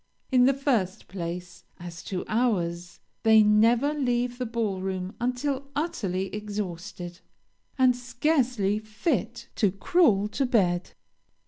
In the first place, as to hours they never leave the ball room until utterly exhausted, and scarcely fit to crawl to bed.